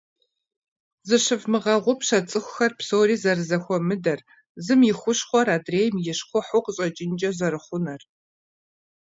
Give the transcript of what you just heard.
Зыщывмыгъэгъупщэ цӀыхухэр псори зэрызэхуэмыдэр, зым и хущхъуэр адрейм и щхъухьу къыщӀэкӀынкӀэ зэрыхъунур.